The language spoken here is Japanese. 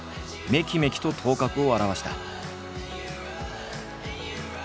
めきめきと頭角を現した。